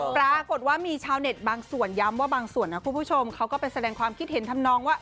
ปรากฏว่ามีชาวเน็ตบางส่วนย้ำว่าบางส่วนนะคุณผู้ชมเขาก็ไปแสดงความคิดเห็นทำนองว่า